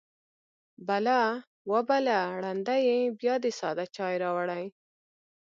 _بلا! وه بلا! ړنده يې! بيا دې ساده چای راوړی.